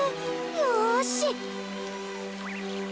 よし！